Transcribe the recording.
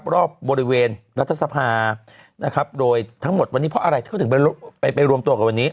รอบบริเวณรัฐสภาคมทั้งหมดเพราะอันนี้เขาถึงไปรวมตัวกันวันนี้